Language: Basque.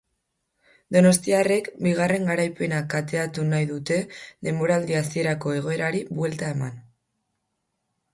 Donostiarrek bigarren garaipena kateatu nahi dute denboraldi hasierako egoerari buelta eman.